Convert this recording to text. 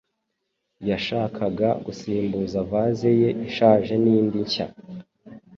Yashakaga gusimbuza vase ye ishaje nindi nshya.